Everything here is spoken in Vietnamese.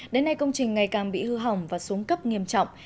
đến nay công trình ngày càng bị hư hỏng và xuống cấp nghiêm trọng